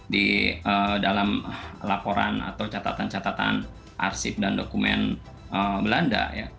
di dalam laporan atau catatan catatan arsip dan dokumen belanda